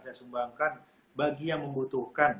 saya sumbangkan bagi yang membutuhkan